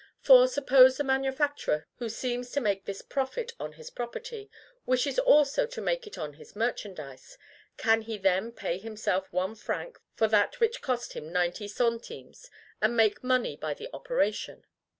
For, suppose the manufacturer, who seems to make this profit on his property, wishes also to make it on his merchandise, can he then pay himself one franc for that which cost him ninety centimes, and make money by the operation?